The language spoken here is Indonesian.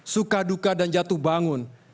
suka duka dan jatuh bangun